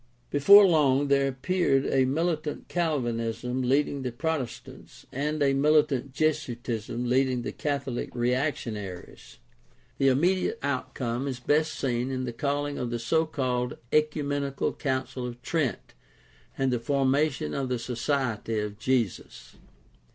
Before long there appeared a mili tant Calvinism leading the Protestants and a militant Jesu itism leading the Catholic reactionaries. The immediate outcome is best seen in the calling of the so called Ecumenical Council of Trent and the formation of the Society of Jesus.